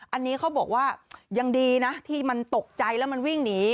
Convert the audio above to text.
อันนี้เขาบอกว่ายังดีนะที่มันตกใจแล้วมันวิ่งหนี